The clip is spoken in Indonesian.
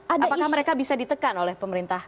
apakah mereka bisa ditekan oleh pemerintah